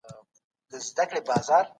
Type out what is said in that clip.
اسلام د بشر د فطري غوښتنو پوره رعایت کوي.